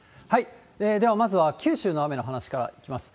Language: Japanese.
では、まずは九州の雨の話からいきます。